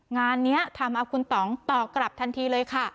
งานนี้ทำเอาคุณต่องตอบกลับทันทีเลยค่ะ